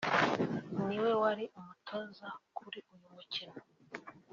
niwe wari umutoza kuri uyu mukino